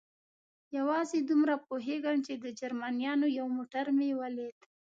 یوازې دومره پوهېږم، چې د جرمنیانو یو موټر مې ولید.